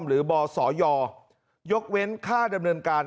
หรือบศยยกเว้นค่าดำเนินการ